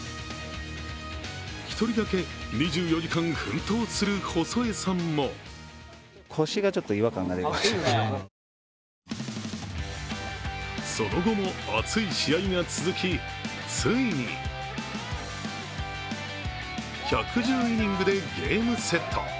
１人だけ２４時間奮闘する細江さんもその後も熱い試合が続き、ついに１１０イニングでゲームセット。